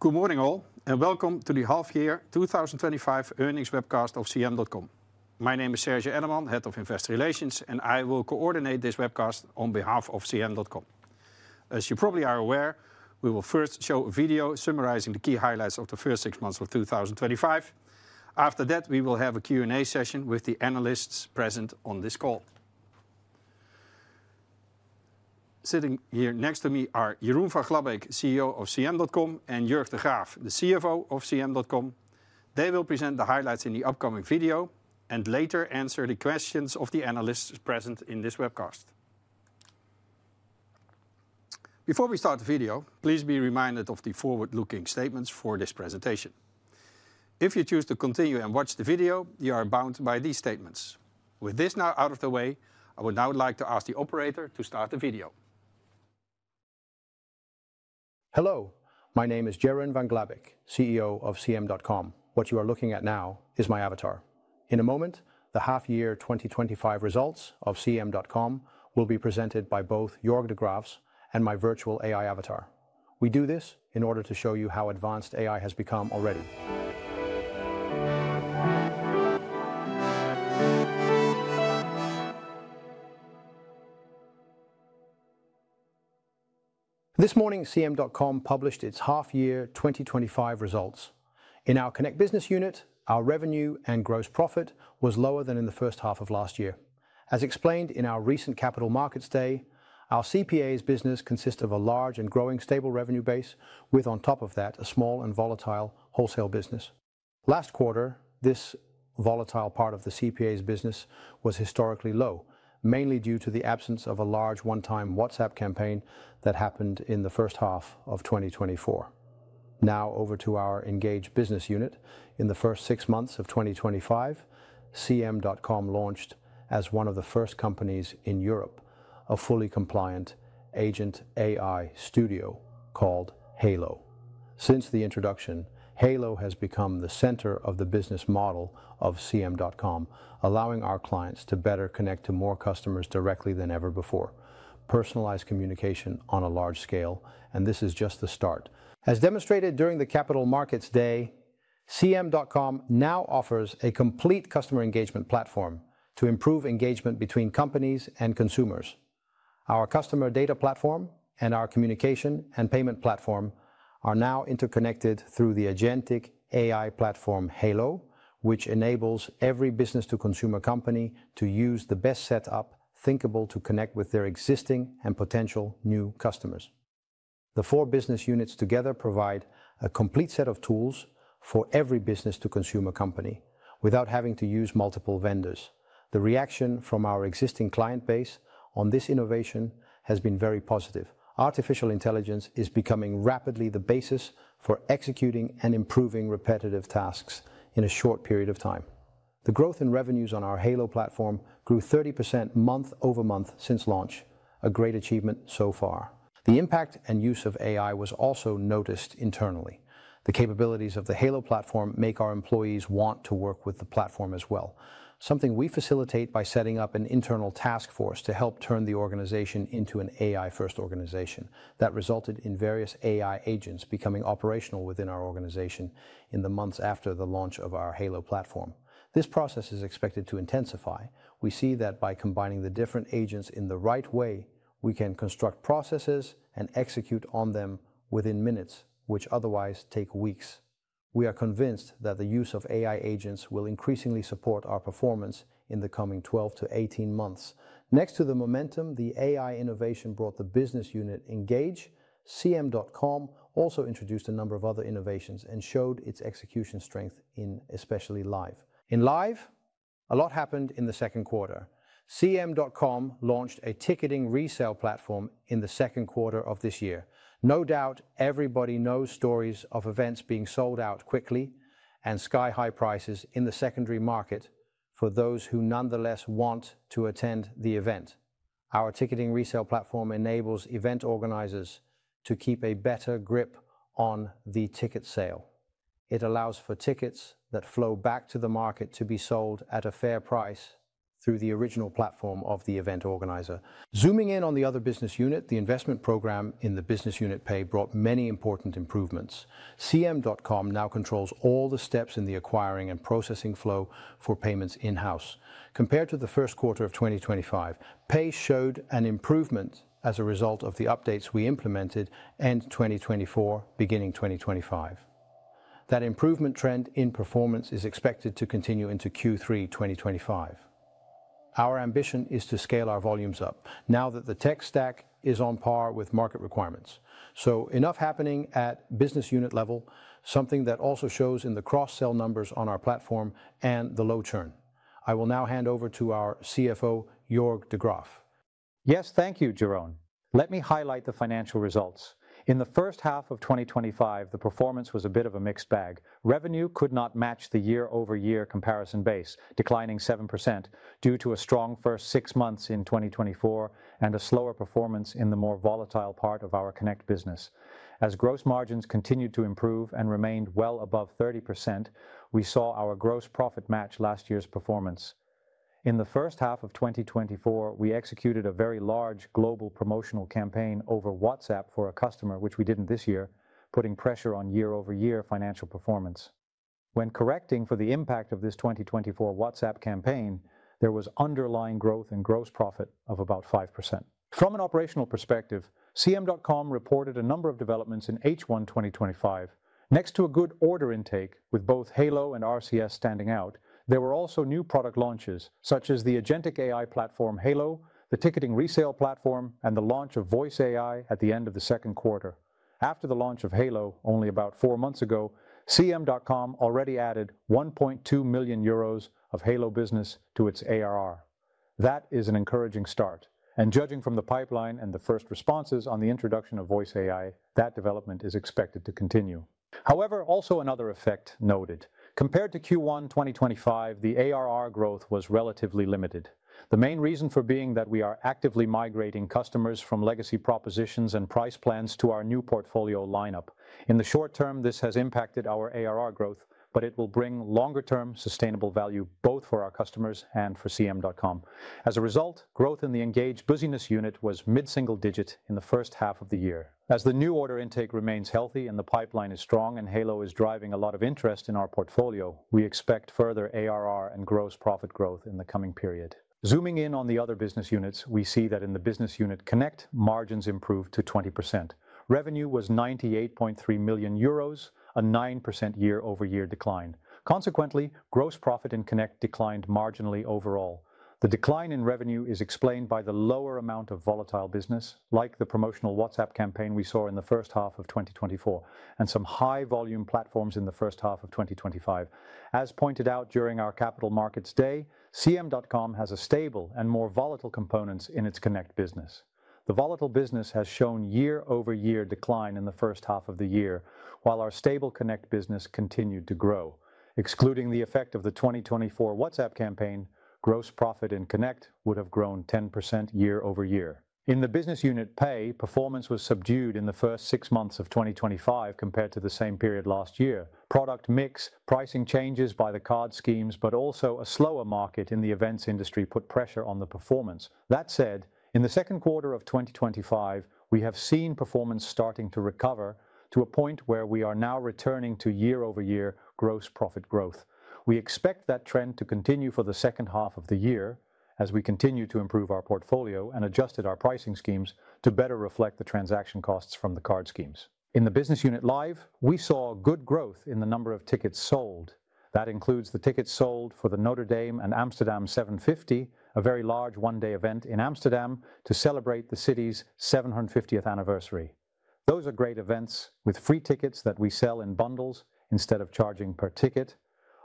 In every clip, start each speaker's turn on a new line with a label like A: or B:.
A: Good morning all, and welcome to the Half-Year 2025 Earnings Webcast of CM.com. My name is Serge Enneman, Head of Investor Relations, and I will coordinate this webcast on behalf of CM.com. As you probably are aware, we will first show a video summarizing the key highlights of the first six months of 2025. After that, we will have a Q&A session with the analysts present on this call. Sitting here next to me are Jeroen van Glabbeek, CEO of CM.com, and Jörg de Graaf, the CFO of CM.com. They will present the highlights in the upcoming video and later answer the questions of the analysts present in this webcast. Before we start the video, please be reminded of the forward-looking statements for this presentation. If you choose to continue and watch the video, you are bound by these statements. With this now out of the way, I would now like to ask the operator to start the video.
B: Hello, my name is Jeroen van Glabbeek, CEO of CM.com. What you are looking at now is my avatar. In a moment, the Half-Year 2025 results of CM.com will be presented by both Jörg de Graaf's and my virtual AI avatar. We do this in order to show you how advanced AI has become already. This morning, CM.com published its alf-year 2025 results. In our Connect business unit, our revenue and gross profit were lower than in the first half of last year. As explained in our recent Capital Markets Day, our CPA's business consists of a large and growing stable revenue base, with on top of that a small and volatile wholesale business. Last quarter, this volatile part of the CPA's business was historically low, mainly due to the absence of a large one-time WhatsApp campaign that happened in the first half of 2024. Now, over to our Engage business unit, in the first six months of 2025, CM.com launched as one of the first companies in Europe a fully compliant agent AI studio called Halo. Since the introduction, Halo has become the center of the business model of CM.com, allowing our clients to better connect to more customers directly than ever before. Personalized communication on a large scale, and this is just the start. As demonstrated during the Capital Markets Day, CM.com now offers a complete customer engagement platform to improve engagement between companies and consumers. Our customer data platform and our communication and payment platform are now interconnected through the agentic AI platform Halo, which enables every business-to-consumer company to use the best setup thinkable to connect with their existing and potential new customers. The four business units together provide a complete set of tools for every business-to-consumer company without having to use multiple vendors. The reaction from our existing client base on this innovation has been very positive. Artificial intelligence is becoming rapidly the basis for executing and improving repetitive tasks in a short period of time. The growth in revenues on our Halo platform grew 30% month over month since launch, a great achievement so far. The impact and use of AI was also noticed internally. The capabilities of the Halo platform make our employees want to work with the platform as well, something we facilitate by setting up an internal task force to help turn the organization into an AI-first organization. That resulted in various AI agents becoming operational within our organization in the months after the launch of our Halo platform. This process is expected to intensify. We see that by combining the different agents in the right way, we can construct processes and execute on them within minutes, which otherwise take weeks. We are convinced that the use of AI agents will increasingly support our performance in the coming 12-18 months. Next to the momentum the AI innovation brought the business unit Engage, CM.com also introduced a number of other innovations and showed its execution strength in especially Live. In Live, a lot happened in the second quarter. CM.com launched a ticketing resale platform in the second quarter of this year. No doubt, everybody knows stories of events being sold out quickly and sky-high prices in the secondary market for those who nonetheless want to attend the event. Our ticketing resale platform enables event organizers to keep a better grip on the ticket sale. It allows for tickets that flow back to the market to be sold at a fair price through the original platform of the event organizer. Zooming in on the other business unit, the investment program in the business unit Pay brought many important improvements. CM.com now controls all the steps in the acquiring and processing flow for payments in-house. Compared to the first quarter of 2025, Pay showed an improvement as a result of the updates we implemented end 2024, beginning 2025. That improvement trend in performance is expected to continue into Q3 2025. Our ambition is to scale our volumes up now that the tech stack is on par with market requirements. There is enough happening at business unit level, something that also shows in the cross-sell numbers on our platform and the low churn. I will now hand over to our CFO, Jörg de Graaf.
C: Yes, thank you, Jeroen. Let me highlight the financial results. In the first half of 2025, the performance was a bit of a mixed bag. Revenue could not match the year-over-year comparison base, declining 7% due to a strong first six months in 2024 and a slower performance in the more volatile part of our Connect business. As gross margins continued to improve and remained well above 30%, we saw our gross profit match last year's performance. In the first half of 2024, we executed a very large global promotional campaign over WhatsApp for a customer, which we didn't this year, putting pressure on year-over-year financial performance. When correcting for the impact of this 2024 WhatsApp campaign, there was underlying growth in gross profit of about 5%. From an operational perspective, CM.com reported a number of developments in H1 2025. Next to a good order intake, with both Halo and RCS standing out, there were also new product launches such as the agentic AI platform Halo, the ticketing resale platform, and the launch of Voice AI at the end of the second quarter. After the launch of Halo only about four months ago, CM.com already added 1.2 million euros of Halo business to its ARR. That is an encouraging start, and judging from the pipeline and the first responses on the introduction of Voice AI, that development is expected to continue. However, also another effect noted. Compared to Q1 2025, the ARR growth was relatively limited. The main reason for being that we are actively migrating customers from legacy propositions and price plans to our new portfolio lineup. In the short term, this has impacted our ARR growth, but it will bring longer-term sustainable value both for our customers and for CM.com. As a result, growth in the Engage business unit was mid-single digit in the first half of the year. As the new order intake remains healthy and the pipeline is strong and Halo is driving a lot of interest in our portfolio, we expect further ARR and gross profit growth in the coming period. Zooming in on the other business units, we see that in the business unit Connect, margins improved to 20%. Revenue was 98.3 million euros, a 9% year-over-year decline. Consequently, gross profit in Connect declined marginally overall. The decline in revenue is explained by the lower amount of volatile business, like the promotional WhatsApp campaign we saw in the first half of 2024, and some high-volume platforms in the first half of 2025. As pointed out during our Capital Markets Day, CM.com has a stable and more volatile component in its Connect business. The volatile business has shown year-over-year decline in the first half of the year, while our stable Connect business continued to grow. Excluding the effect of the 2024 WhatsApp campaign, gross profit in Connect would have grown 10% year-over-year. In the business unit Pay, performance was subdued in the first six months of 2025 compared to the same period last year. Product mix, pricing changes by the card schemes, but also a slower market in the events industry put pressure on the performance. That said, in the second quarter of 2025, we have seen performance starting to recover to a point where we are now returning to year-over-year gross profit growth. We expect that trend to continue for the second half of the year as we continue to improve our portfolio and adjusted our pricing schemes to better reflect the transaction costs from the card schemes. In the business unit Live, we saw good growth in the number of tickets sold. That includes the tickets sold for the Notre Dame and Amsterdam 750, a very large one-day event in Amsterdam to celebrate the city's 750th anniversary. Those are great events with free tickets that we sell in bundles instead of charging per ticket.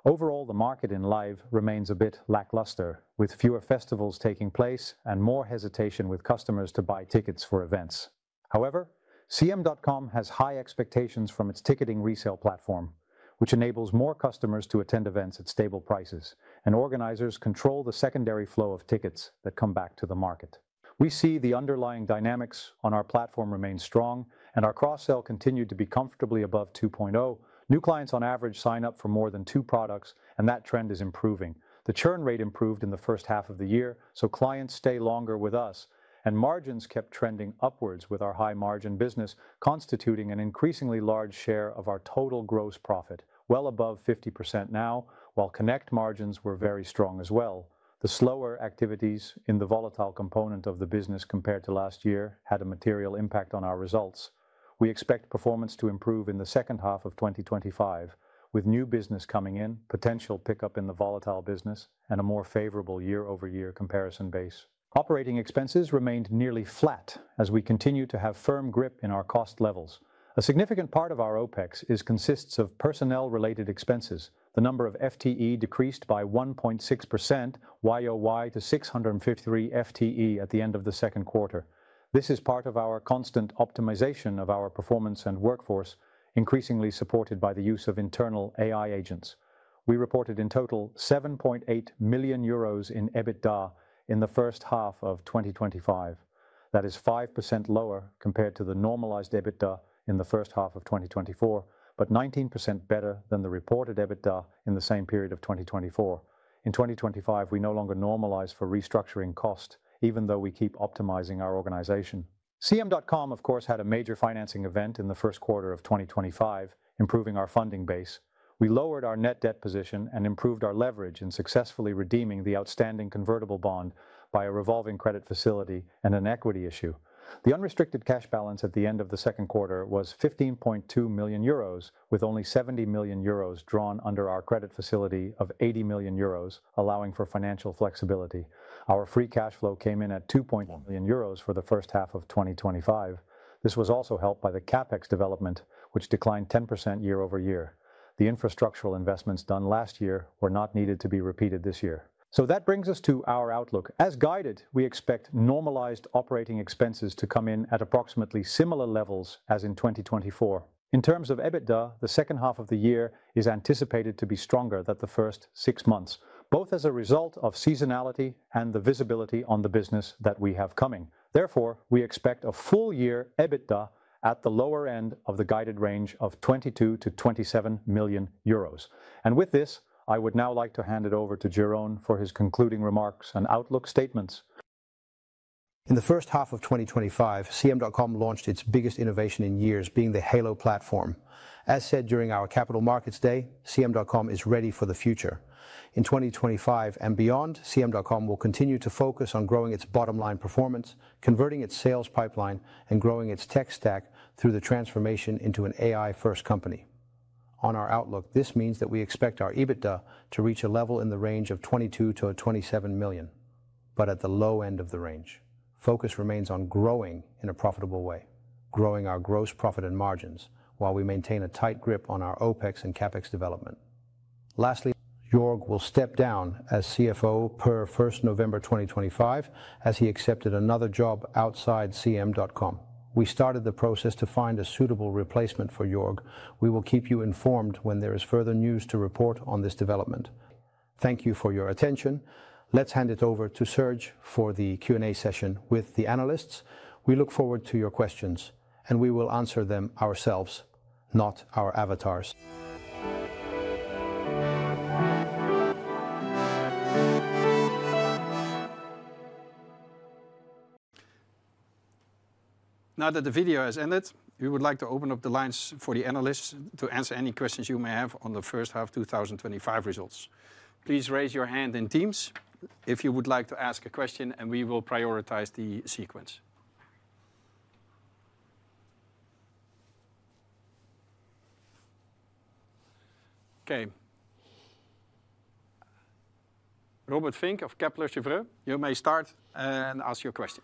C: Overall, the market in Live remains a bit lackluster, with fewer festivals taking place and more hesitation with customers to buy tickets for events. However, CM.com has high expectations from its ticketing resale platform, which enables more customers to attend events at stable prices, and organizers control the secondary flow of tickets that come back to the market. We see the underlying dynamics on our platform remain strong, and our cross-sell continued to be comfortably above 2.0. New clients on average sign up for more than two products, and that trend is improving. The churn rate improved in the first half of the year, so clients stay longer with us, and margins kept trending upwards with our high margin business, constituting an increasingly large share of our total gross profit, well above 50% now, while Connect margins were very strong as well. The slower activities in the volatile component of the business compared to last year had a material impact on our results. We expect performance to improve in the second half of 2025, with new business coming in, potential pickup in the volatile business, and a more favorable year-over-year comparison base. Operating expenses remained nearly flat as we continue to have firm grip in our cost levels. A significant part of our OpEx consists of personnel-related expenses. The number of FTE decreased by 1.6% year-over-year to 653 FTE at the end of the second quarter. This is part of our constant optimization of our performance and workforce, increasingly supported by the use of internal AI agents. We reported in total 7.8 million euros in EBITDA in the first half of 2025. That is 5% lower compared to the normalized EBITDA in the first half of 2024, but 19% better than the reported EBITDA in the same period of 2024. In 2025, we no longer normalize for restructuring cost, even though we keep optimizing our organization. CM.com, of course, had a major financing event in the first quarter of 2025, improving our funding base. We lowered our net debt position and improved our leverage in successfully redeeming the outstanding convertible bond by a revolving credit facility and an equity issue. The unrestricted cash balance at the end of the second quarter was 15.2 million euros, with only 70 million euros drawn under our credit facility of 80 million euros, allowing for financial flexibility. Our free cash flow came in at 2.1 million euros for the first half of 2025. This was also helped by the CapEx development, which declined 10% year-over-year. The infrastructural investments done last year were not needed to be repeated this year. That brings us to our outlook. As guided, we expect normalized operating expenses to come in at approximately similar levels as in 2024. In terms of EBITDA, the second half of the year is anticipated to be stronger than the first six months, both as a result of seasonality and the visibility on the business that we have coming. Therefore, we expect a full year EBITDA at the lower end of the guided range of 22 million-27 million euros. With this, I would now like to hand it over to Jeroen for his concluding remarks and outlook statements.
B: In the first half of 2025, CM.com launched its biggest innovation in years, being the Halo platform. As said during our Capital Markets Day, CM.com is ready for the future. In 2025 and beyond, CM.com will continue to focus on growing its bottom-line performance, converting its sales pipeline, and growing its tech stack through the transformation into an AI-first company. On our outlook, this means that we expect our EBITDA to reach a level in the range of 22 million-27 million, but at the low end of the range. Focus remains on growing in a profitable way, growing our gross profit and margins, while we maintain a tight grip on our OpEx and CapEx development. Lastly, Jörg will step down as CFO per November 2025, as he accepted another job outside CM.com. We started the process to find a suitable replacement for Jörg. We will keep you informed when there is further news to report on this development. Thank you for your attention. Let's hand it over to Serge for the Q&A session with the analysts. We look forward to your questions, and we will answer them ourselves, not our avatars.
A: Now that the video has ended, we would like to open up the lines for the analysts to answer any questions you may have on the first half 2025 results. Please raise your hand in Teams if you would like to ask a question, and we will prioritize the sequence. Okay, Robert Vink of Kepler Chevreux, you may start and ask your question.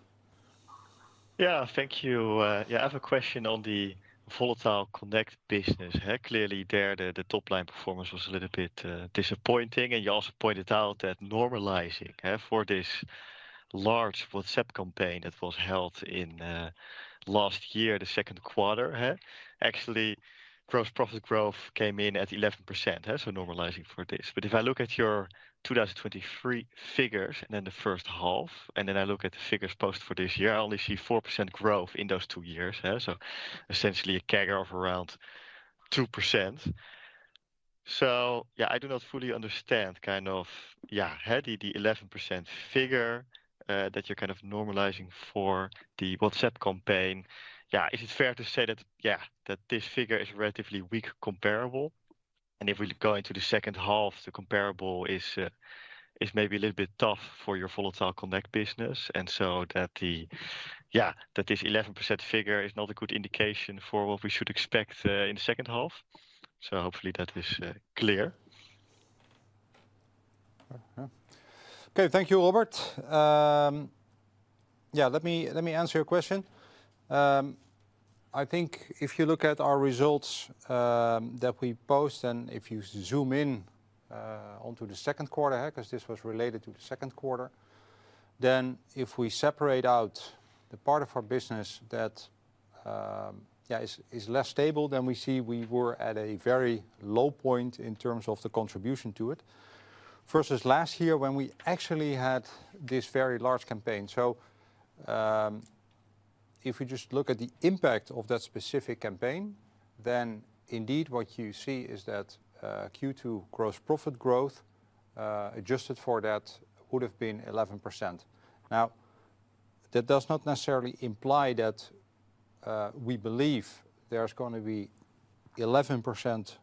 D: Thank you. I have a question on the volatile Connect business. Clearly, the top-line performance was a little bit disappointing, and you also pointed out that normalizing for this large WhatsApp campaign that was held in last year, the second quarter, actually gross profit growth came in at 11%. Normalizing for this, if I look at your 2023 figures and then the first half, and then I look at the figures for this year, I only see 4% growth in those two years, so essentially a CAGR of around 2%. I do not fully understand the 11% figure that you're normalizing for the WhatsApp campaign. Is it fair to say that this figure is relatively weak comparable? If we go into the second half, the comparable is maybe a little bit tough for your volatile Connect business, and that this 11% figure is not a good indication for what we should expect in the second half. Hopefully that is clear.
C: Okay, thank you, Robert. Let me answer your question. I think if you look at our results that we post, and if you zoom in onto the second quarter, because this was related to the second quarter, then if we separate out the part of our business that is less stable, then we see we were at a very low point in terms of the contribution to it versus last year when we actually had this very large campaign. If we just look at the impact of that specific campaign, then indeed what you see is that Q2 gross profit growth adjusted for that would have been 11%. That does not necessarily imply that we believe there's going to be 11%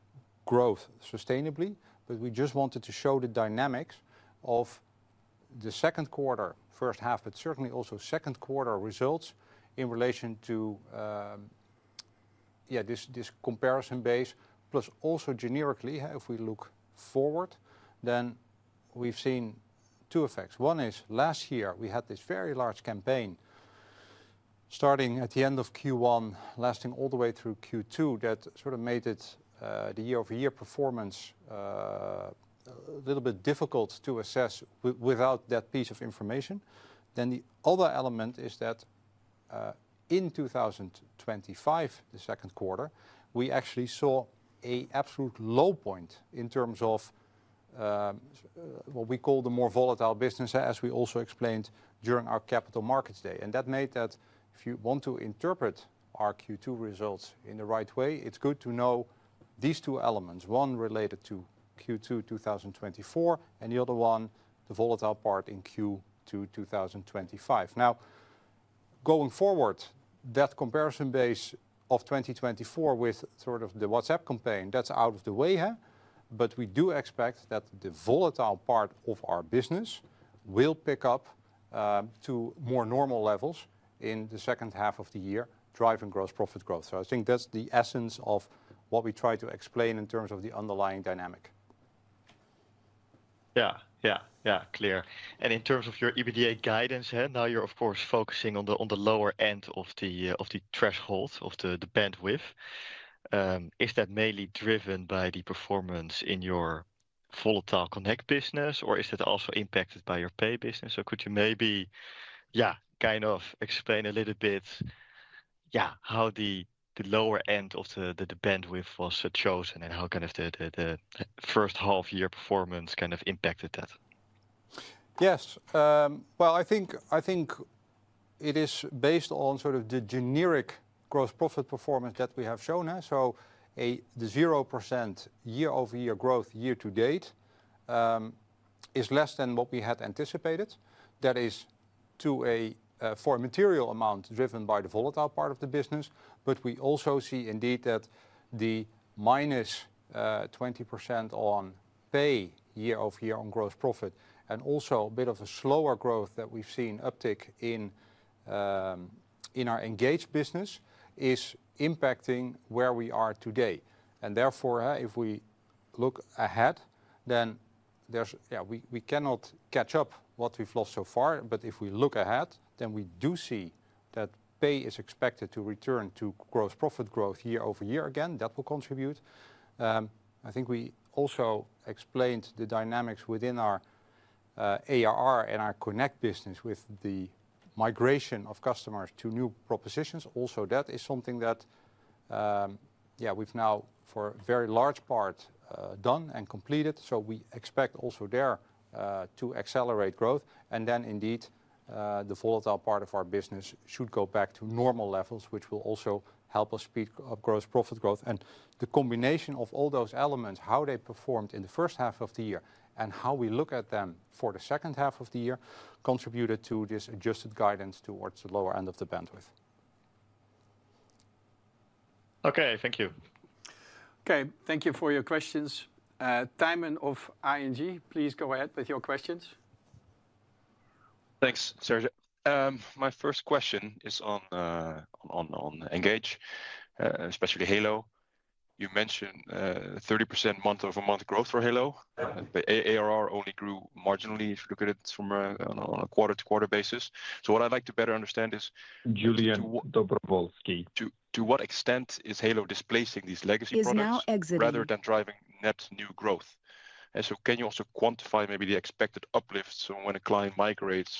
C: growth sustainably, but we just wanted to show the dynamics of the second quarter, first half, but certainly also second quarter results in relation to this comparison base. Also, generically, if we look forward, then we've seen two effects. One is last year we had this very large campaign starting at the end of Q1, lasting all the way through Q2 that sort of made the year-over-year performance a little bit difficult to assess without that piece of information. The other element is that in 2025, the second quarter, we actually saw an absolute low point in terms of what we call the more volatile business, as we also explained during our Capital Markets Day. That made that if you want to interpret our Q2 results in the right way, it's good to know these two elements: one related to Q2 2024, and the other one, the volatile part in Q2 2025. Going forward, that comparison base of 2024 with the WhatsApp campaign, that's out of the way. We do expect that the volatile part of our business will pick up to more normal levels in the second half of the year, driving gross profit growth. I think that's the essence of what we try to explain in terms of the underlying dynamic.
D: Yeah, clear. In terms of your EBITDA guidance, now you're of course focusing on the lower end of the threshold of the bandwidth. Is that mainly driven by the performance in your volatile Connect business, or is it also impacted by your Pay business? Could you maybe explain a little bit how the lower end of the bandwidth was chosen and how the first half-year performance impacted that?
C: Yes, I think it is based on sort of the generic gross profit performance that we have shown. The 0% year-over-year growth year to date is less than what we had anticipated. That is for a material amount driven by the volatile part of the business. We also see indeed that the -20% on Pay year-over-year on gross profit and also a bit of a slower growth that we've seen uptick in our Engage business is impacting where we are today. Therefore, if we look ahead, there's, yeah, we cannot catch up what we've lost so far. If we look ahead, we do see that Pay is expected to return to gross profit growth year-over-year again. That will contribute. I think we also explained the dynamics within our ARR and our Connect business with the migration of customers to new propositions. Also, that is something that, yeah, we've now for a very large part done and completed. We expect also there to accelerate growth. Indeed, the volatile part of our business should go back to normal levels, which will also help us speed up gross profit growth. The combination of all those elements, how they performed in the first half of the year and how we look at them for the second half of the year, contributed to this adjusted guidance towards the lower end of the bandwidth.
D: Okay, thank you.
A: Okay, thank you for your questions. Thymen of ING, please go ahead with your questions.
E: Thanks, Serge. My first question is on Engage, especially Halo. You mentioned 30% month-over-month growth for Halo, but ARR only grew marginally if you look at it from a quarter-to-quarter basis. I’d like to better understand to what extent Halo is displacing these legacy products rather than driving net new growth. Can you also quantify maybe the expected uplift when a client migrates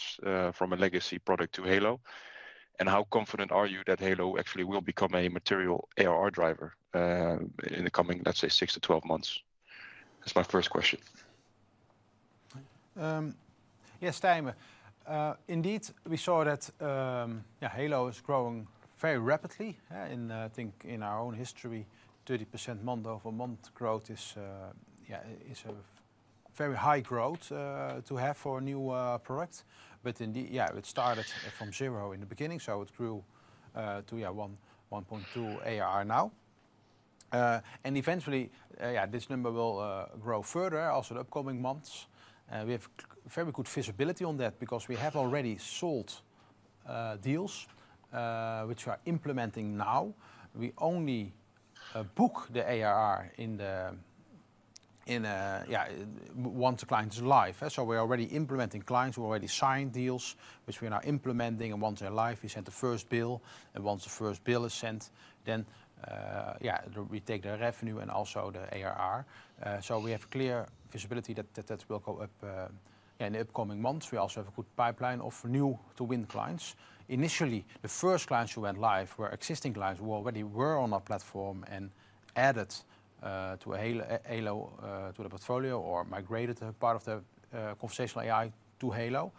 E: from a legacy product to Halo? How confident are you that Halo actually will become a material ARR driver in the coming, let's say, 6-12 months? That's my first question.
C: Yes, Thymon. Indeed, we saw that Halo is growing very rapidly. I think in our own history, 30% month-over-month growth is a very high growth to have for new products. Indeed, it started from zero in the beginning. It grew to 1.2 million ARR now. Eventually, this number will grow further also in the upcoming months. We have very good visibility on that because we have already sold deals, which we are implementing now. We only book the ARR once a client is live. We're already implementing clients who already signed deals, which we are now implementing. Once they're live, we send the first bill. Once the first bill is sent, we take the revenue and also the ARR. We have clear visibility that that will go up in the upcoming months. We also have a good pipeline of new to win clients. Initially, the first clients who went live were existing clients who already were on our platform and added to the portfolio or migrated to a part of the conversational AI to Halo.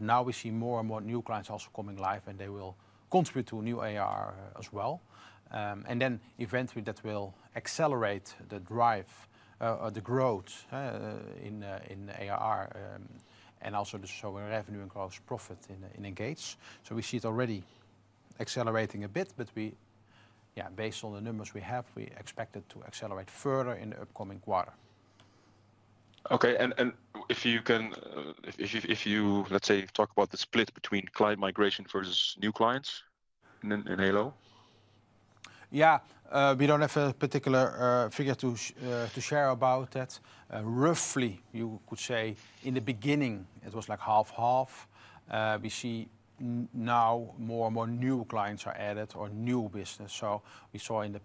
C: Now we see more and more new clients also coming live, and they will contribute to a new ARR as well. Eventually, that will accelerate the drive, the growth in ARR and also the revenue and gross profit in Engage. We see it already accelerating a bit, but based on the numbers we have, we expect it to accelerate further in the upcoming quarter.
E: Okay, if you can, if you, let's say, talk about the split between client migration versus new clients in Halo.
C: Yeah, we don't have a particular figure to share about that. Roughly, you could say in the beginning, it was like half-half. We see now more and more new clients are added or new business. We saw in the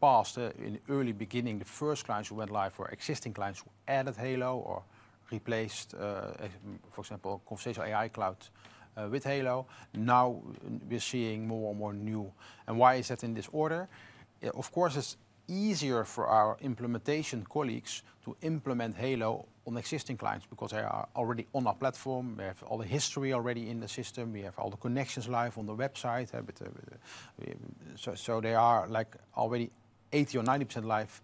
C: past, in the early beginning, the first clients who went live were existing clients who added Halo or replaced, for example, Conversational AI Cloud with Halo. Now we're seeing more and more new. Why is that in this order? Of course, it's easier for our implementation colleagues to implement Halo on existing clients because they are already on our platform. They have all the history already in the system. We have all the connections live on the website. They are already 80% or 90% live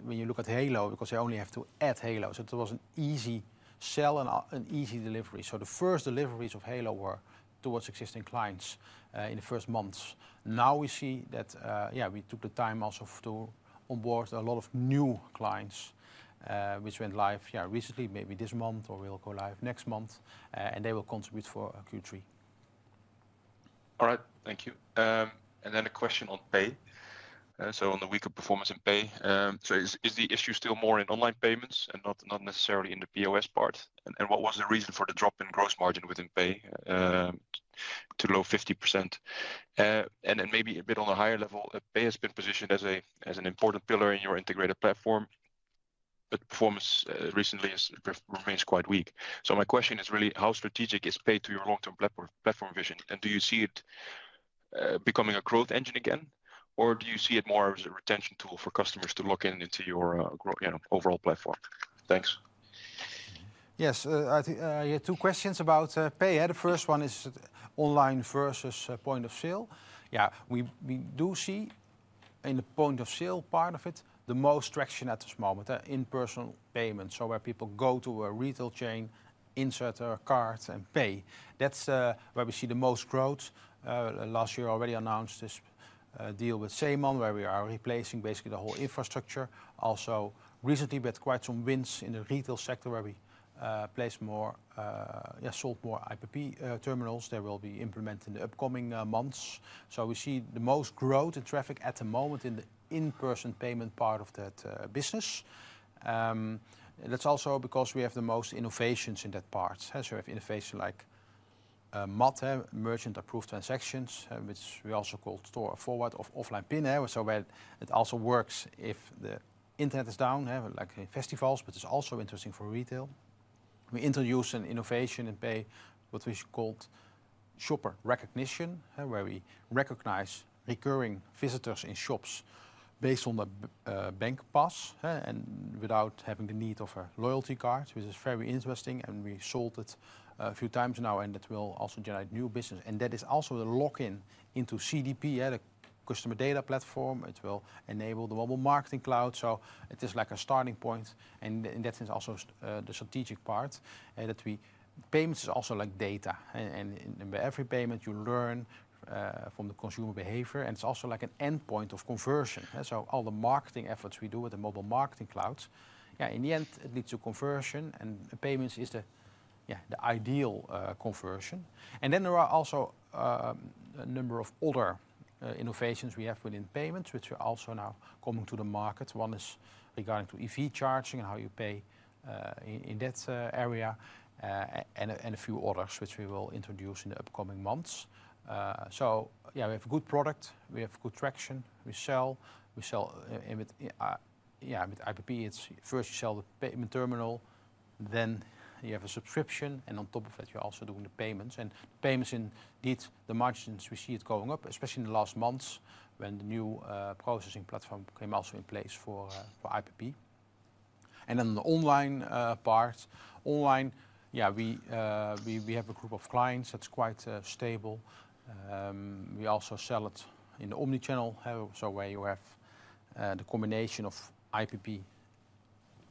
C: when you look at Halo because they only have to add Halo. It was an easy sell and an easy delivery. The first deliveries of Halo were towards existing clients in the first months. Now we see that we took the time also to onboard a lot of new clients, which went live recently, maybe this month, or will go live next month, and they will contribute for Q3.
E: All right, thank you. A question on Pay. On the weak performance in Pay, is the issue still more in online payments and not necessarily in the POS part? What was the reason for the drop in gross margin within Pay to low 50%? On a higher level, Pay has been positioned as an important pillar in your integrated platform, but performance recently remains quite weak. My question is really, how strategic is Pay to your long-term platform vision? Do you see it becoming a growth engine again, or do you see it more as a retention tool for customers to lock in into your overall platform? Thanks.
C: Yes, I think I had two questions about Pay. The first one is online versus point of sale. We do see in the point of sale part of it the most traction at this moment, in-person payments. Where people go to a retail chain, insert their card and pay, that's where we see the most growth. Last year, I already announced this deal with Salmon, where we are replacing basically the whole infrastructure. Also, recently, we had quite some wins in the retail sector, where we sold more IPP terminals. That will be implemented in the upcoming months. We see the most growth in traffic at the moment in the in-person payment part of that business. That's also because we have the most innovations in that part. We have innovations like MAT, Merchant Approved Transactions, which we also call Store Forward or Offline Pin. It also works if the internet is down, like festivals, but it's also interesting for retail. We introduced an innovation in Pay, what we called Shopper Recognition, where we recognize recurring visitors in shops based on the bank pass and without having the need of a loyalty card, which is very interesting. We sold it a few times now, and it will also generate new business. That is also the lock-in into CDP, the Customer Data Platform. It will enable the mobile marketing cloud. It is like a starting point, and in that sense, also the strategic part. Payments is also like data, and with every payment, you learn from the consumer behavior, and it's also like an endpoint of conversion. All the marketing efforts we do with the mobile marketing cloud, in the end, it leads to conversion, and payments is the ideal conversion. There are also a number of other innovations we have within payments, which are also now coming to the market. One is regarding EV charging and how you pay in that area, and a few others, which we will introduce in the upcoming months. We have a good product. We have good traction. We sell. With IPP, it's first you sell the payment terminal, then you have a subscription, and on top of that, you're also doing the payments. Payments indeed, the margins, we see it going up, especially in the last months when the new processing platform came also in place for IPP. On the online part, online, we have a group of clients that's quite stable. We also sell it in the omnichannel, where you have the combination of IPP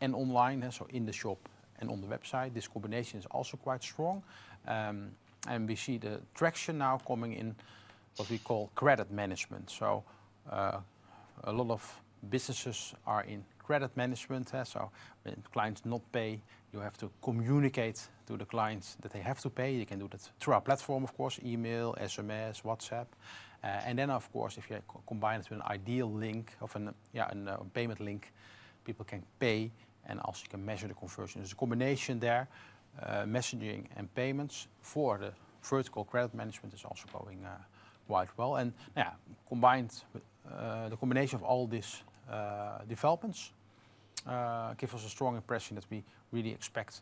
C: and online, so in the shop and on the website. This combination is also quite strong. We see the traction now coming in what we call credit management. A lot of businesses are in credit management. When clients not pay, you have to communicate to the clients that they have to pay. You can do that through our platform, of course, email, SMS, WhatsApp. If you combine it with an iDEAL link or a payment link, people can pay and also can measure the conversion. There is a combination there, messaging and payments for the vertical credit management is also going quite well. The combination of all these developments gives us a strong impression that we really expect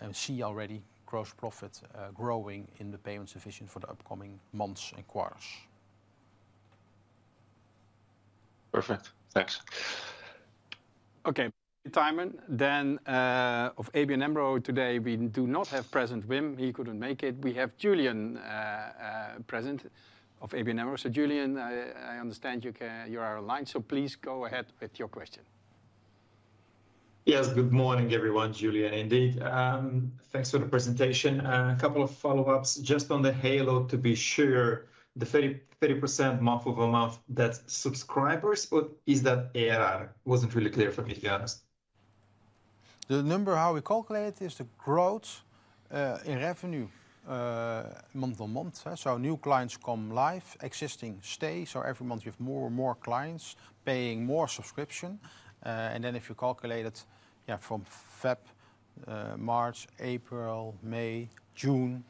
C: and see already gross profit growing in the payments division for the upcoming months and quarters.
E: Perfect. Thanks.
A: Okay, Thymen, of ABN AMRO today, we do not have present Wim. He couldn't make it. We have Iulian present of ABN AMRO. Iulian, I understand you are online, please go ahead with your question.
F: Yes, good morning everyone, Iulian indeed. Thanks for the presentation. A couple of follow-ups, just on the Halo to be sure, the 30% month-over-month, that's subscribers, or is that ARR? Wasn't really clear for me, to be honest.
C: The number, how we calculate it, is the growth in revenue month-over-month. New clients come live, existing stay, so every month you have more and more clients paying more subscription. If you calculate it, from February, March, April, May, June,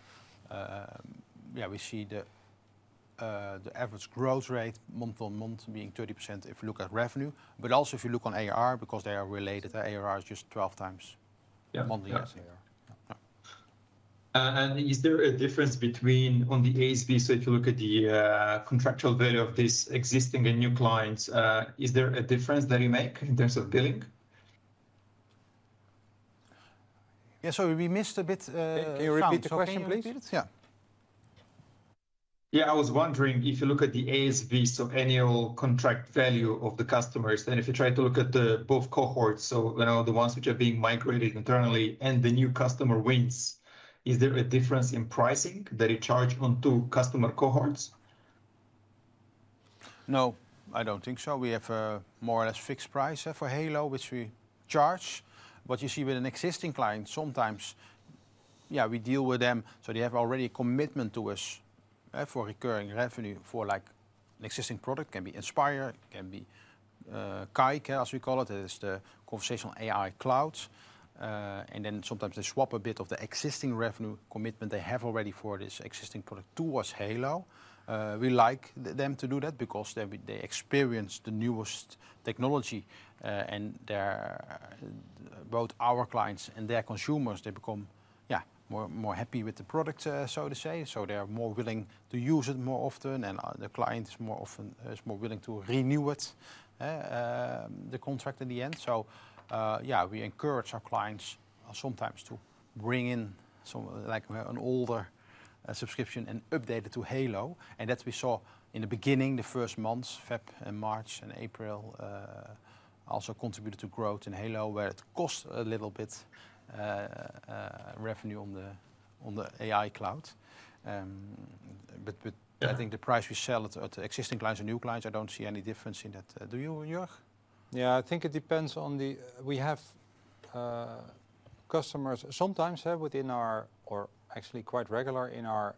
C: we see the average growth rate month-over-month being 30% if you look at revenue. Also, if you look on ARR, because they are related, ARR is just 12x monthly as ARR.
F: Is there a difference between, on the ASB, if you look at the contractual value of these existing and new clients, is there a difference that you make in terms of billing?
C: Sorry, we missed a bit. Can you repeat the question, please?
F: Yeah, I was wondering if you look at the ACV, so annual contract value of the customers, and if you try to look at both cohorts, the ones which are being migrated internally and the new customer wins, is there a difference in pricing that you charge on two customer cohorts?
B: No, I don't think so. We have a more or less fixed price for Halo, which we charge. You see with an existing client, sometimes we deal with them. They have already a commitment to us for recurring revenue for an existing product. It can be Inspire, it can be KAIK, as we call it, it is the conversational AI cloud. Sometimes they swap a bit of the existing revenue commitment they have already for this existing product towards Halo. We like them to do that because they experience the newest technology. Both our clients and their consumers become more happy with the product, so to say. They're more willing to use it more often, and the client is more often more willing to renew the contract in the end. We encourage our clients sometimes to bring in an older subscription and update it to Halo. That's what we saw in the beginning, the first months, Feb and March and April, also contributed to growth in Halo where it cost a little bit revenue on the AI cloud. I think the price we sell it to existing clients and new clients, I don't see any difference in that. Do you, Jörg?
C: Yeah. I think it depends on the, we have customers sometimes within our, or actually quite regular in our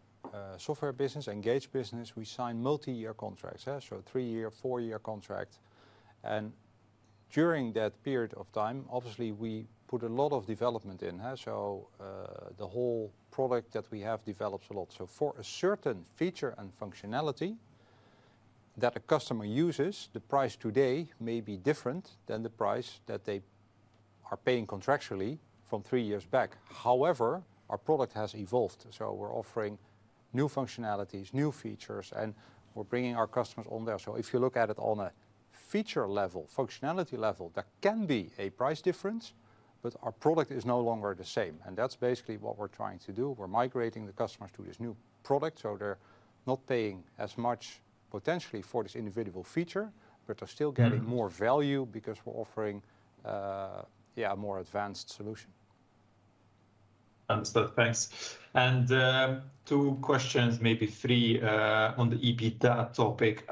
C: software business, Engage business, we sign multi-year contracts, so three-year, four-year contracts. During that period of time, obviously we put a lot of development in. The whole product that we have develops a lot. For a certain feature and functionality that a customer uses, the price today may be different than the price that they are paying contractually from three years back. However, our product has evolved. We're offering new functionalities, new features, and we're bringing our customers on there. If you look at it on a feature level, functionality level, there can be a price difference, but our product is no longer the same. That's basically what we're trying to do. We're migrating the customers to this new product. They're not paying as much potentially for this individual feature, but they're still getting more value because we're offering a more advanced solution.
F: Understood. Thanks. Two questions, maybe three, on the EBITDA topic.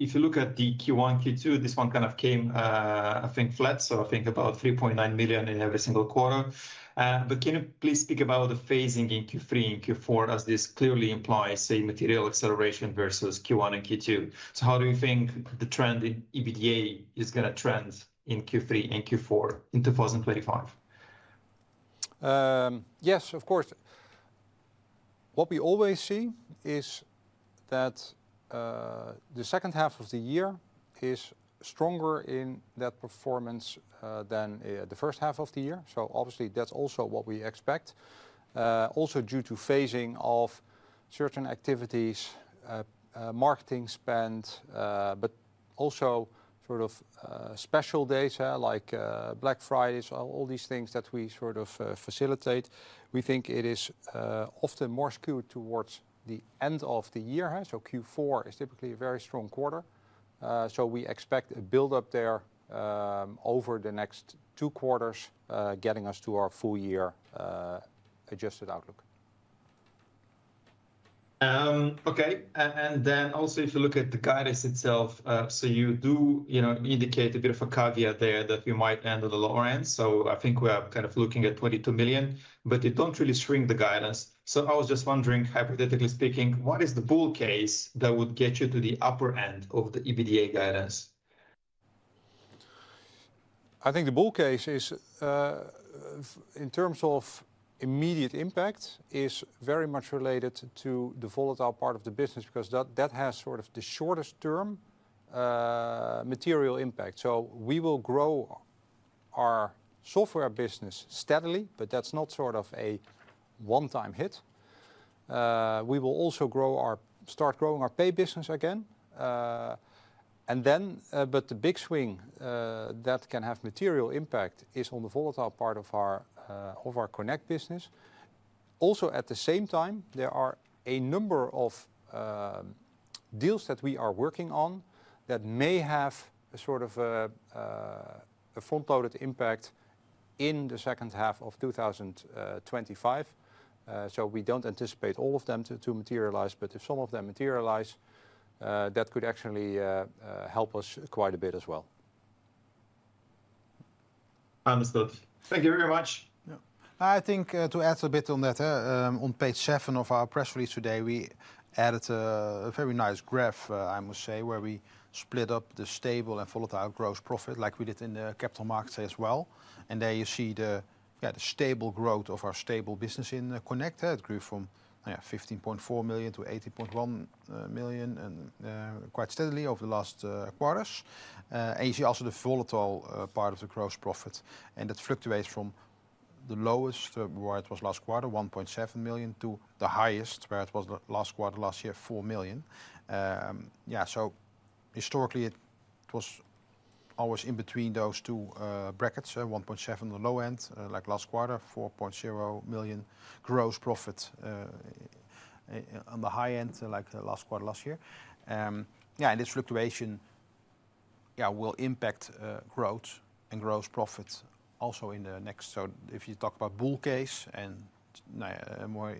F: If you look at Q1, Q2, this one kind of came, I think, flat. I think about 3.9 million in every single quarter. Can you please speak about the phasing in Q3 and Q4 as this clearly implies, say, material acceleration versus Q1 and Q2? How do you think the trend in EBITDA is going to trend in Q3 and Q4 in 2025?
B: Yes, of course. What we always see is that the second half of the year is stronger in that performance than the first half of the year. Obviously, that's also what we expect. Also due to phasing of certain activities, marketing spend, but also sort of special days like Black Fridays, all these things that we sort of facilitate, we think it is often more skewed towards the end of the year. Q4 is typically a very strong quarter. We expect a build-up there over the next two quarters, getting us to our full-year adjusted outlook.
F: Okay. If you look at the guidance itself, you do indicate a bit of a caveat there that we might end on the lower end. I think we are kind of looking at 22 million, but you don't really shrink the guidance. I was just wondering, hypothetically speaking, what is the bull case that would get you to the upper end of the EBITDA guidance?
B: I think the bull case in terms of immediate impact is very much related to the volatile part of the business because that has the shortest term material impact. We will grow our software business steadily, but that's not a one-time hit. We will also start growing our Pay business again. The big swing that can have material impact is on the volatile part of our Connect business. At the same time, there are a number of deals that we are working on that may have a front-loaded impact in the second half of 2025. We don't anticipate all of them to materialize, but if some of them materialize, that could actually help us quite a bit as well.
F: Understood. Thank you very much.
C: I think to add a bit on that, on page seven of our press release today, we added a very nice graph, I must say, where we split up the stable and volatile gross profit like we did in the Capital Markets as well. There you see the stable growth of our stable business in Connect. It grew from 15.4 million to 18.1 million and quite steadily over the last quarters. You see also the volatile part of the gross profit. It fluctuates from the lowest, where it was last quarter, 1.7 million, to the highest, where it was last quarter, last year, 4.0 million. Historically, it was always in between those two brackets. 1.7 million on the low end, like last quarter, 4.0 million gross profit on the high end, like last quarter, last year. This fluctuation will impact growth and gross profits also in the next. If you talk about bull case and now more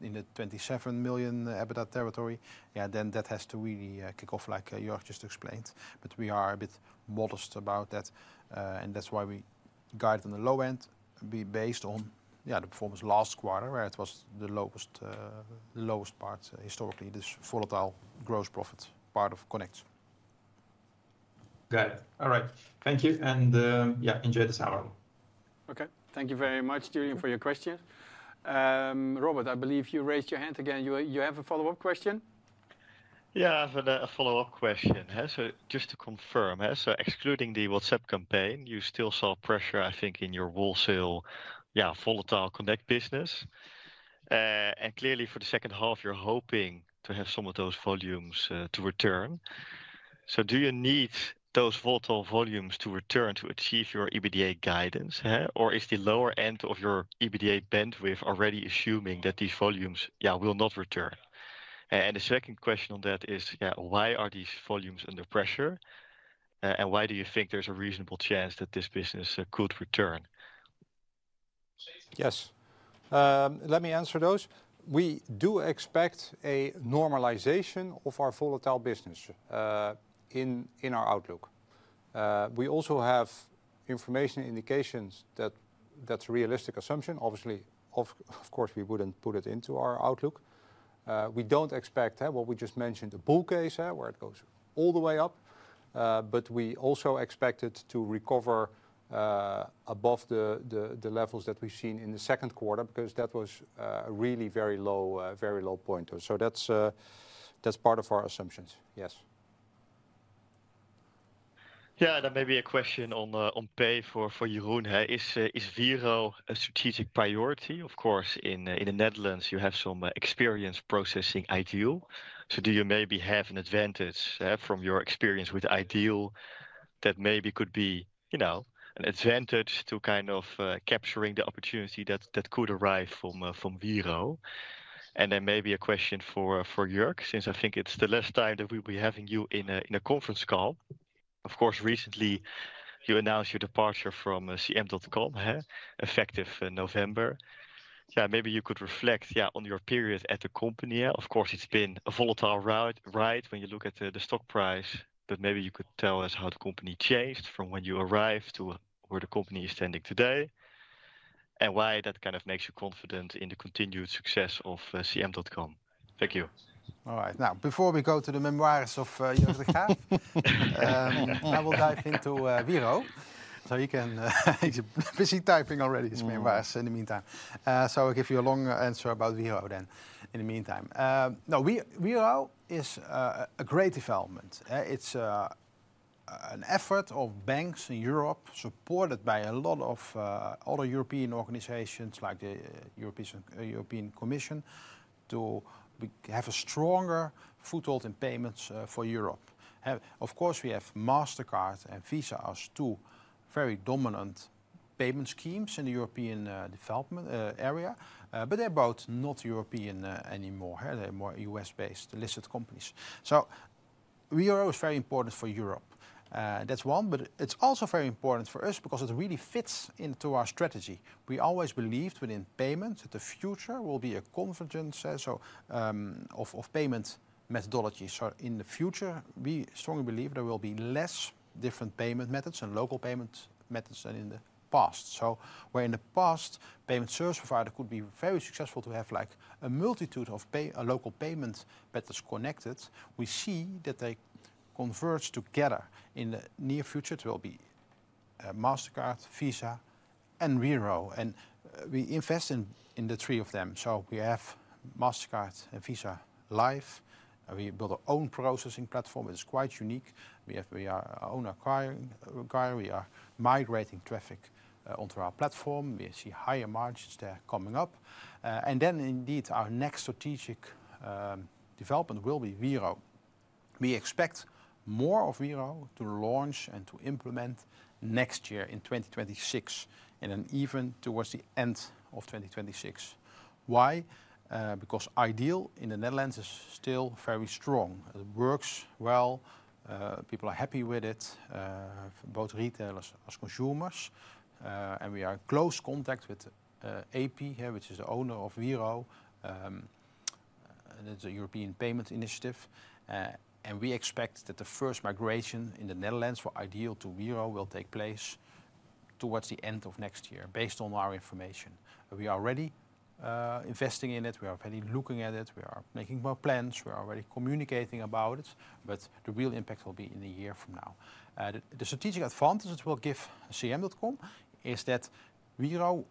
C: in the 27 million EBITDA territory, then that has to really kick off, like Jörg just explained. We are a bit modest about that. That's why we guide on the low end, based on the performance last quarter, where it was the lowest part historically, this volatile gross profit part of Connect.
F: Got it. All right. Thank you. Yeah, enjoy the salad.
A: Okay. Thank you very much, Iulian, for your question. Robert, I believe you raised your hand again. You have a follow-up question?
D: I have a follow-up question. Just to confirm, excluding the WhatsApp campaign, you still saw pressure in your wholesale, volatile Connect business. Clearly, for the second half, you're hoping to have some of those volumes return. Do you need those volatile volumes to return to achieve your EBITDA guidance, or is the lower end of your EBITDA bandwidth already assuming that these volumes will not return? The second question on that is, why are these volumes under pressure, and why do you think there's a reasonable chance that this business could return?
B: Yes. Let me answer those. We do expect a normalization of our volatile business in our outlook. We also have information and indications that that's a realistic assumption. Obviously, of course, we wouldn't put it into our outlook. We don't expect a bull case, where it goes all the way up. We also expect it to recover above the levels that we've seen in the second quarter because that was a really very low point. That's part of our assumptions. Yes.
D: Yeah, and then maybe a question on Pay for Jeroen. Is Vero a strategic priority? Of course, in the Netherlands, you have some experience processing iDEAL. Do you maybe have an advantage from your experience with iDEAL that could be an advantage to kind of capturing the opportunity that could arrive from Vero? Maybe a question for Jörg, since I think it's the last time that we'll be having you in a conference call. Of course, recently, you announced your departure from CM.com effective November. Maybe you could reflect on your period at the company. Of course, it's been a volatile ride when you look at the stock price, but maybe you could tell us how the company changed from when you arrived to where the company is standing today and why that kind of makes you confident in the continued success of CM.com. Thank you.
B: All right. Now, before we go to the memoirs of Jörg de Graaf, I will dive into Vero. You can visit typing already, his memoirs in the meantime. I'll give you a long answer about Vero then in the meantime. Vero is a great development. It's an effort of banks in Europe, supported by a lot of other European organizations like the European Commission, to have a stronger foothold in payments for Europe. Of course, we have Mastercard and Visa as two very dominant payment schemes in the European development area, but they're both not European anymore. They're more U.S.-based listed companies. Vero is very important for Europe. That's one, but it's also very important for us because it really fits into our strategy. We always believed within payments that the future will be a convergence of payment methodologies. In the future, we strongly believe there will be less different payment methods and local payment methods than in the past. Where in the past, payment service providers could be very successful to have like a multitude of local payment methods connected, we see that they converge together. In the near future, it will be Mastercard, Visa, and Vero. We invest in the three of them. We have Mastercard and Visa live. We build our own processing platform. It's quite unique. We are our own acquiring. We are migrating traffic onto our platform. We see higher margins there coming up. Indeed, our next strategic development will be Vero. We expect more of Vero to launch and to implement next year in 2026, and then even towards the end of 2026. Why? Because Ideal in the Netherlands is still very strong. It works well. People are happy with it, both retailers as consumers. We are in close contact with AP, which is the owner of Vero. It's a European payment initiative. We expect that the first migration in the Netherlands for Ideal to Vero will take place towards the end of next year, based on our information. We are already investing in it. We are already looking at it. We are making more plans. We are already communicating about it. The real impact will be in a year from now. The strategic advantage that will give CM.com is that Vero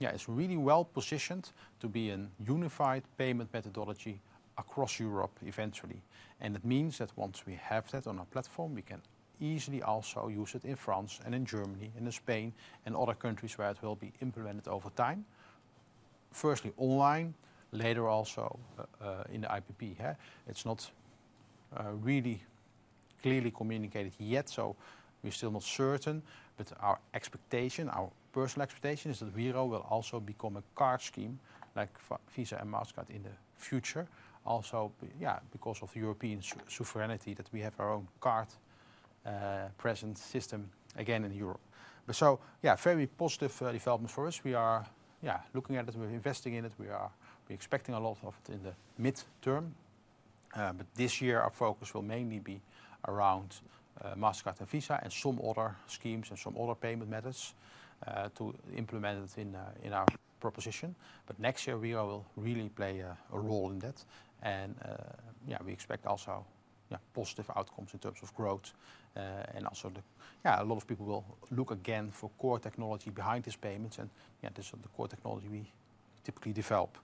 B: is really well positioned to be a unified payment methodology across Europe eventually. It means that once we have that on our platform, we can easily also use it in France and in Germany and in Spain and other countries where it will be implemented over time. Firstly online, later also in the IPP. It's not really clearly communicated yet, so we're still not certain. Our expectation, our personal expectation, is that Vero will also become a card scheme like Visa and Mastercard in the future. Also, because of the European sovereignty that we have our own card present system again in Europe. Very positive development for us. We are looking at it. We're investing in it. We are expecting a lot of it in the midterm. This year, our focus will mainly be around Mastercard and Visa and some other schemes and some other payment methods to implement it in our proposition. Next year, Vero will really play a role in that. We expect also positive outcomes in terms of growth. A lot of people will look again for core technology behind these payments. This is the core technology we typically develop.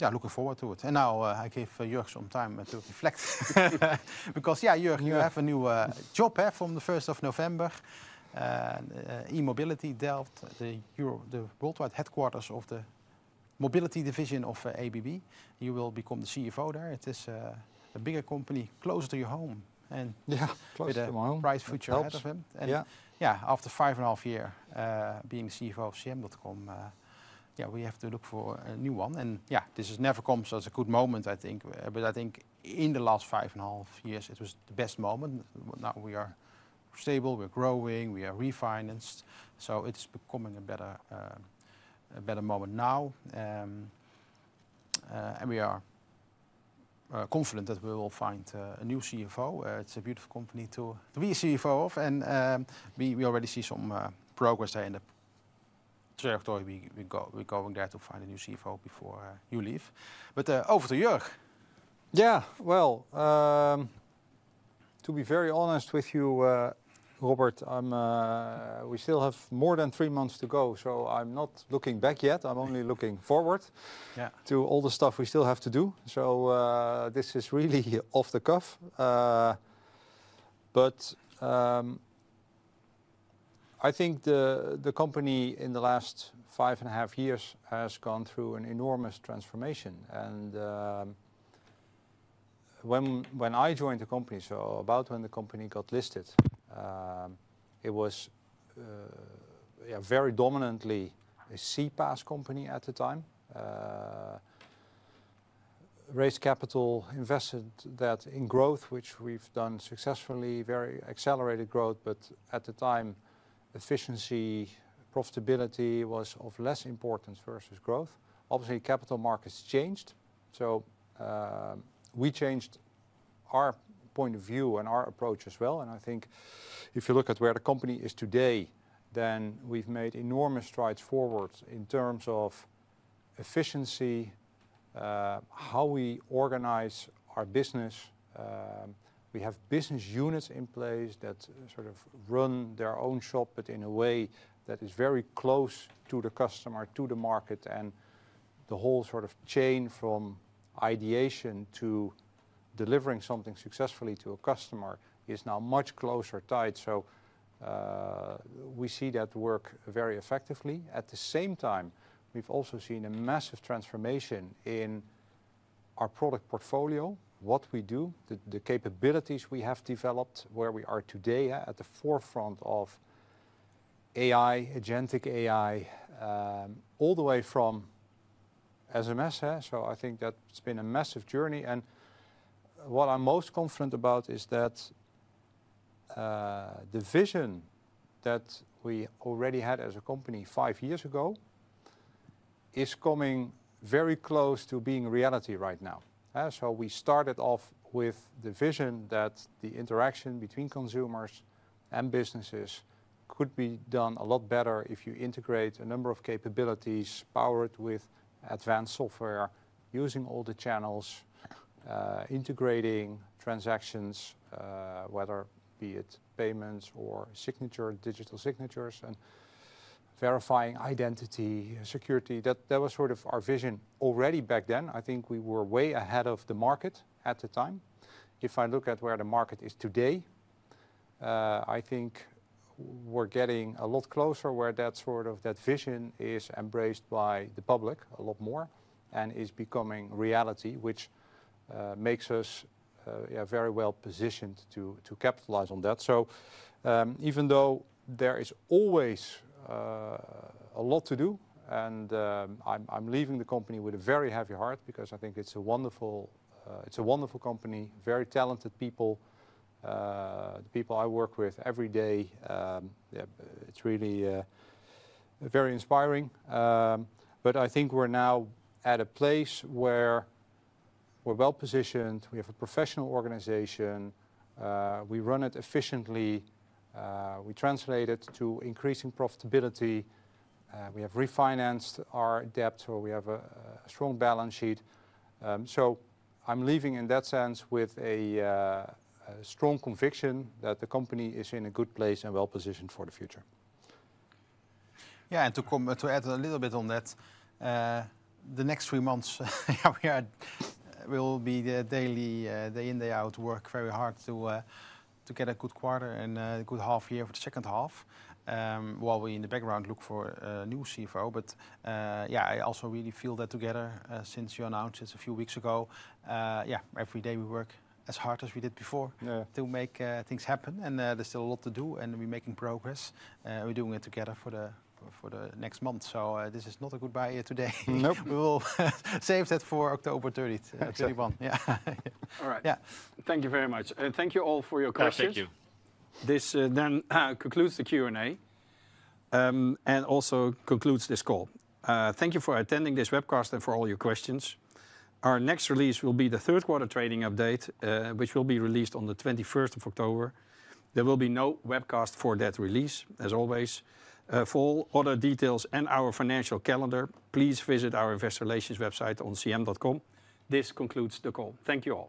B: Looking forward to it. Now I give Jörg some time to reflect. Jörg, you have a new job from the 1st of November. eMobility Delft, the worldwide headquarters of the mobility division of ABB. You will become the CFO there. It is a bigger company, closer to your home. It's a bright future ahead of him. After five and a half years being the CFO of CM.com, we have to look for a new one. This has never come as a good moment, I think. In the last five and a half years, it was the best moment. Now we are stable, we're growing, we are refinanced. It's becoming a better moment now. We are confident that we will find a new CFO. It's a beautiful company to be a CFO of. We already see some progress there in the territory. We're going there to find a new CFO before you leave. Over to Jörg.
C: To be very honest with you, Robert, we still have more than three months to go. I'm not looking back yet. I'm only looking forward to all the stuff we still have to do. This is really off the cuff. I think the company in the last five and a half years has gone through an enormous transformation. When I joined the company, so about when the company got listed, it was very dominantly a CPaaS company at the time. Raised capital, invested that in growth, which we've done successfully, very accelerated growth. At the time, efficiency, profitability was of less importance versus growth. Obviously, capital markets changed. We changed our point of view and our approach as well. I think if you look at where the company is today, then we've made enormous strides forward in terms of efficiency, how we organize our business. We have business units in place that sort of run their own shop, but in a way that is very close to the customer, to the market. The whole sort of chain from ideation to delivering something successfully to a customer is now much closer tied. We see that work very effectively. At the same time, we've also seen a massive transformation in our product portfolio, what we do, the capabilities we have developed, where we are today at the forefront of AI, agentic AI, all the way from SMS. I think that's been a massive journey. What I'm most confident about is that the vision that we already had as a company five years ago is coming very close to being a reality right now. We started off with the vision that the interaction between consumers and businesses could be done a lot better if you integrate a number of capabilities powered with advanced software using all the channels, integrating transactions, whether it be payments or digital signatures and verifying identity, security. That was sort of our vision already back then. I think we were way ahead of the market at the time. If I look at where the market is today, I think we're getting a lot closer where that sort of vision is embraced by the public a lot more and is becoming reality, which makes us very well positioned to capitalize on that. Even though there is always a lot to do, and I'm leaving the company with a very heavy heart because I think it's a wonderful company, very talented people, the people I work with every day. It's really very inspiring. I think we're now at a place where we're well positioned. We have a professional organization. We run it efficiently. We translate it to increasing profitability. We have refinanced our debt, so we have a strong balance sheet. I'm leaving in that sense with a strong conviction that the company is in a good place and well positioned for the future. To add a little bit on that, the next three months, we'll be the daily, day in, day out, work very hard to get a good quarter and a good half year for the second half while we in the background look for a new CFO. I also really feel that together since you announced it a few weeks ago. Every day we work as hard as we did before to make things happen. There is still a lot to do, and we're making progress. We're doing it together for the next month. This is not a goodbye today. We'll save that for October 31. Thank you very much. Thank you all for your questions.
A: This then concludes the Q&A and also concludes this call. Thank you for attending this webcast and for all your questions. Our next release will be the third quarter trading update, which will be released on the 21st of October. There will be no webcast for that release, as always. For all other details and our financial calendar, please visit our investor relations website on CM.com. This concludes the call. Thank you all.